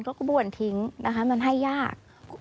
กระบวนทิ้งนะคะมันให้ยาก